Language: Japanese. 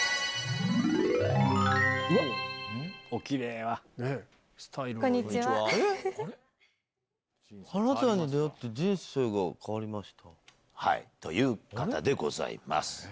「あなたに出会って人生が変わりました」？という方でございます。